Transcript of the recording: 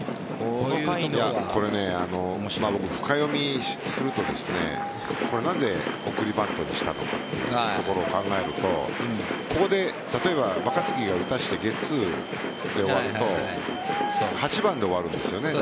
僕、深読みするとなぜ送りバントにしたのかというところを考えるとここで例えば若月に打たせてゲッツーで終わると８番で終わるんですよね。